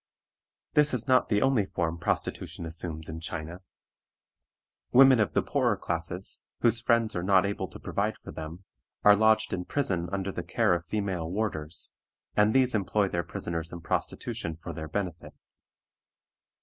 This is not the only form prostitution assumes in China. Women of the poorer classes, whose friends are not able to provide for them, are lodged in prison under the care of female warders, and these employ their prisoners in prostitution for their benefit.